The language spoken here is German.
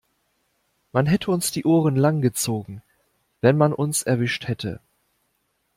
Man hätte uns die Ohren lang gezogen, wenn man uns erwischt hätte.